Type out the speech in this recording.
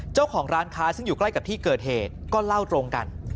เจ้าของร้านค้าซึ่งอยู่ใกล้กับที่เกิดเหตุก็เล่าตรงกัน